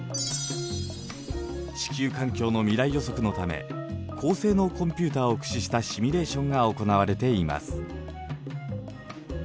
地球環境の未来予測のため高性能コンピューターを駆使したシミュレーションが行われています。